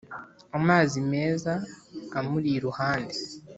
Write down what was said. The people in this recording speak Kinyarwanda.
amazi meza amuri iruhande